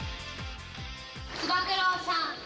つば九郎さん